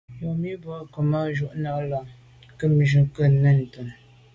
Yomi bo Kemaju’ na’ lo mà nkebnjù nke nèn ntàne.